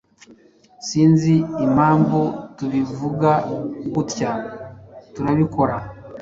Sinzi impamvu tubivuga gutya, turabikora.